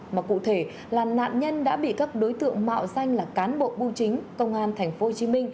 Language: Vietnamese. mà cụ thể là nạn nhân đã bị các đối tượng mạo danh là cán bộ bưu chính công an tp hcm